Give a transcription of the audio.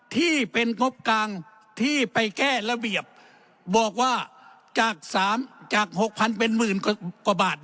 ที่เป็นงบกลางที่ไปแก้ระเบียบบอกว่าจาก๖๐๐เป็นหมื่นกว่าบาท